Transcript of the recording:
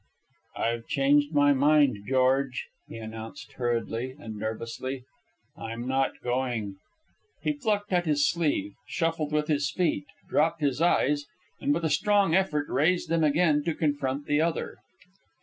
"I've changed my mind, George," he announced hurriedly and nervously. "I'm not going." He plucked at his sleeve, shuffled with his feet, dropped his eyes, and with a strong effort raised them again to confront the other.